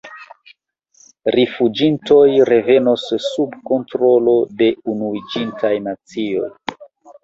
Rifuĝintoj revenos sub kontrolo de Unuiĝintaj Nacioj.